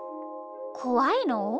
こわいの？